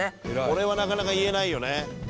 これはなかなか言えないよね。